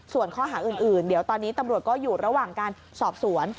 ส่วนข้อหาอื่นเดี๋ยวตอนนี้ตำรวจก็อยู่ระหว่างการสอบสวน